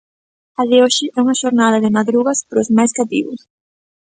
A de hoxe é unha xornada de madrugas pros máis cativos.